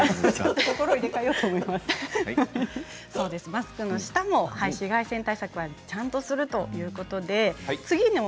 マスクの下も紫外線対策をちゃんとするということですね。